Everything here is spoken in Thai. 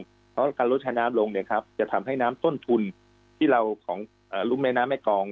เพราะการลดใช้น้ำลงจะทำให้น้ำต้นทุนที่เราของรุ่มแม่น้ำแม่กอง